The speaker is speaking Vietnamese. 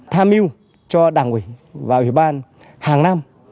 tham mưu cho đảng ủy và ủy ban hàng năm